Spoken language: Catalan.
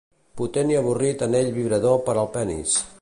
Potent i avorrit anell vibrador per al penis.